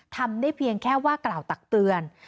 ทำได้เพียงแค่ว่ากล่าวตักเตือน